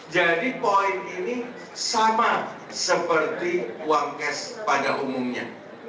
jadi point ini sama seperti uang cash pada umumnya